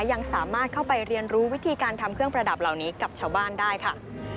ยังสามารถเข้าไปเรียนรู้วิธีการทำเครื่องประดับเหล่านี้กับชาวบ้านได้ค่ะ